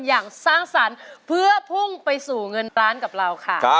สร้างสรรค์เพื่อพุ่งไปสู่เงินร้านกับเราค่ะ